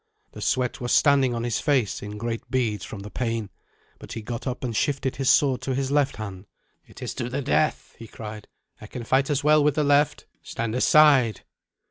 The sweat was standing on his face in great beads from the pain, but he got up and shifted his sword to his left hand. "It is to the death," he cried; "I can fight as well with the left. Stand aside."